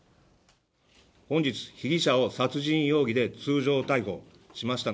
本日、被疑者を殺人容疑で通常逮捕しました。